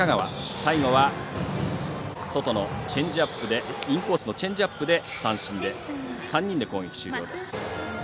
最後は外のインコースのチェンジアップで三振で、３人で攻撃終了です。